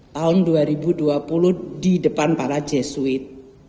tahun dua ribu dua puluh di depan para jasweet